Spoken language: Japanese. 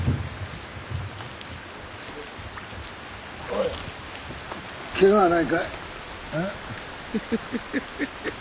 おい怪我はないかい？